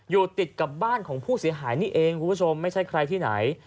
อยู่ติดกับบ้านของผู้เสียหายนี่เองคุณผู้ชมไม่ใช่ใครที่ไหน